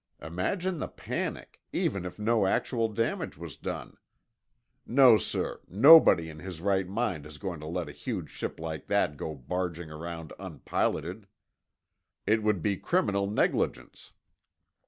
Imagine the panic, even if no actual damage was done. No, sir—nobody in his right mind is going to let a huge ship like that go barging around unpiloted. It would be criminal negligence.